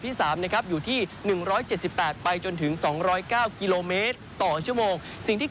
จะสามารถใช้ไปถึง๒๐๙กิโลเมตรสม